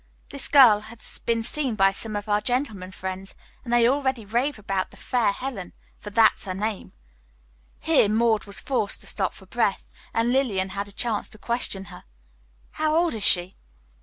This girl has been seen by some of our gentlemen friends, and they already rave about the 'fair Helene,' for that's her name." Here Maud was forced to stop for breath, and Lillian had a chance to question her. "How old is she?"